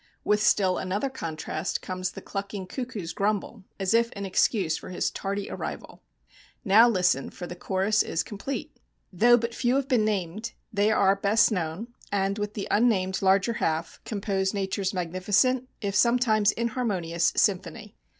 With still another contrast comes the clucking cuckoo's grumble as if in excuse for his tardy arrival. Now listen, for the chorus is complete! Though but few have been named, they are best known and with the unnamed larger half compose nature's magnificent if sometimes inharmonious symphony.